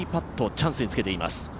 チャンスにつけています。